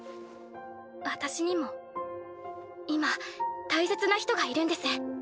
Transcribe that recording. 私にも今大切な人がいるんです。